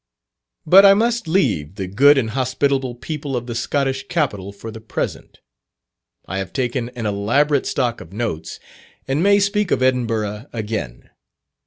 But I must leave the good and hospitable people of the Scottish Capital for the present. I have taken an elaborate stock of notes, and may speak of Edinburgh again.